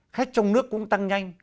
khách trong nước cũng tăng nhanh